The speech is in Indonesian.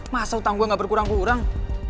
masa utang gue gak berkurang kurang